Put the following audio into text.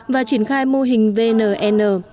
và triển khai mô hình vnn